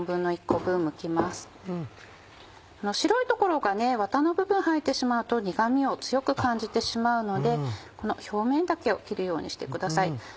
この白いところがわたの部分入ってしまうと苦みを強く感じてしまうのでこの表面だけを切るようにしてください。